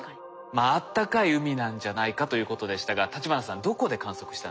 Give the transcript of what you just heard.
まあ「暖かい海なんじゃないか」ということでしたが立花さんどこで観測したんでしょうか？